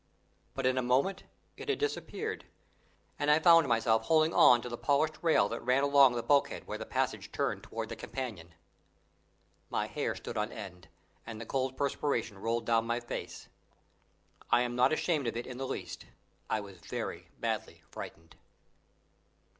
But in a moment it had disappeared, and I found myself holding on to the polished rail that ran along the bulkhead where the passage turned towards the companion. My hair stood on end, and the cold perspiration rolled down my face. I am not ashamed of it in the least: I was very badly frightened.